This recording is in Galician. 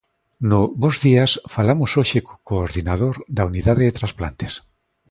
No "Bos días" falamos hoxe co coordinador da unidade de transplantes.